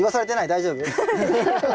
大丈夫？